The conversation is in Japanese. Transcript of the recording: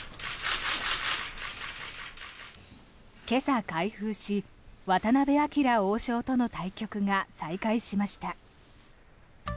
今朝開封し渡辺明王将との対局が再開しました。